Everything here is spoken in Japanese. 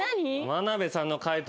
眞鍋さんの解答